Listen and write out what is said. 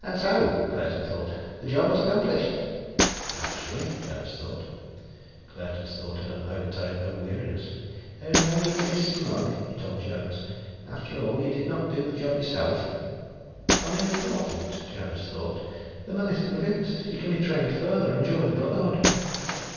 "And so," Claerten thought, "the job was accomplished." "Naturally," Jonas thought. Claerten's thought had an overtone of weariness. "There is no need to be smug," he told Jonas. "After all, you did not do the job yourself." "Unimportant," Jonas thought. "The man is convinced; he can be trained further and join the Brotherhood."